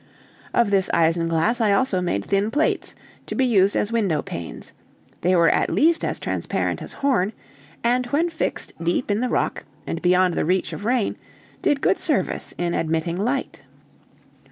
Of this isinglass I also made thin plates, to be used as window panes; they were at least as transparent as horn, and when fixed deep in the rock, and beyond the reach of rain, did good service in admitting light.